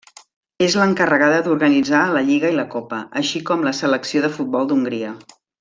És l'encarregada d'organitzar la lliga i la copa, així com la selecció de futbol d'Hongria.